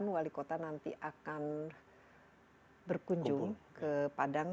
sembilan puluh delapan wali kota nanti akan berkunjung ke padang